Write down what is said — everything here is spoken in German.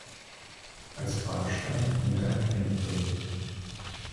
Als Grabstein dient ein Findling.